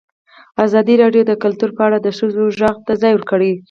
ازادي راډیو د کلتور په اړه د ښځو غږ ته ځای ورکړی.